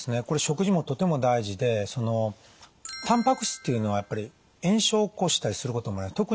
これ食事もとても大事でそのたんぱく質っていうのはやっぱり炎症を起こしたりすることもある。